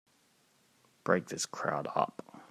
Break this crowd up!